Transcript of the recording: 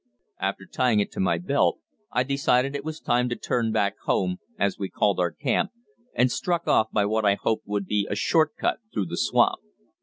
After tying it to my belt, I decided it was time to turn back home, as we called our camp, and struck off by what I hoped would be a short cut through the swamp.